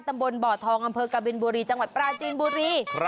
ตำบลบ่อทองอำเภอกบินบุรีจังหวัดปราจีนบุรี